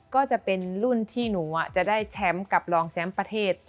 ก็จะเป็นรุ่นที่หนูจะได้แชมป์กับรองแชมป์ประเทศ